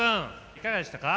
いかがでしたか？